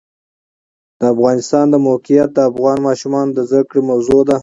د افغانستان د موقعیت د افغان ماشومانو د زده کړې موضوع ده.